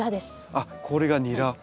あっこれがニラ。